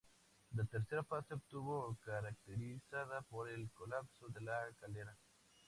La tercera fase estuvo caracterizada por el colapso de la caldera.